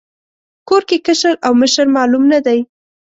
کور کې کشر او مشر معلوم نه دی.